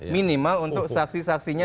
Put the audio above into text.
minimal untuk saksi saksinya